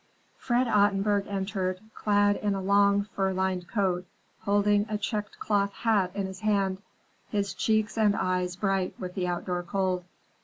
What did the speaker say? Fred Ottenburg entered, clad in a long, fur lined coat, holding a checked cloth hat in his hand, his cheeks and eyes bright with the outdoor cold.